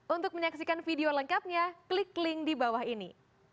untuk menyaksikan video lengkapnya klik link di bawah ini